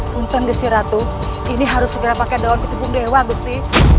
punten gesi ratu ini harus segera pakai daun kecubung dewa gusti